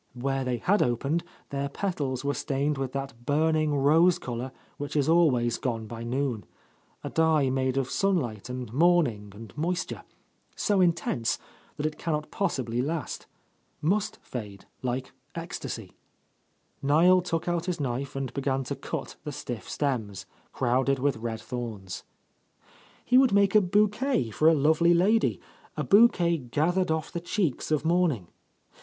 Where they had opened, their petals were stained with that burn ing rose colour which is always gone by noon, — a dye made of sunlight and morning and moisture, so intense that it cannot possibly last ... must fade, like ecstasy. Niel took out his knife and began to cut the stiff stems, crowded with red thorns. He would make a bouquet for a lovely lady; a bouquet gathered off the cheeks of morn ing